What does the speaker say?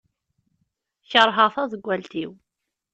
Kerheɣ taḍeggalt-iw.